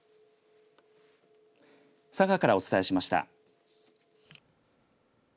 佐賀からお伝えしました。